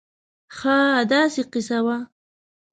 خاا داسې قیصه وه